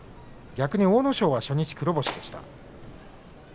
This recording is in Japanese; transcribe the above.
阿武咲は初日、黒星でした。